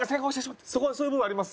そういう部分あります。